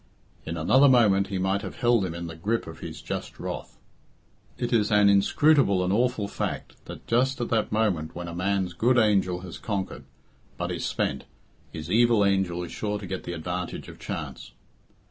In another moment he might have held him in the grip of his just wrath. It is an inscrutable and awful fact, that just at that moment when a man's good angel has conquered, but is spent, his evil angel is sure to get the advantage of chance.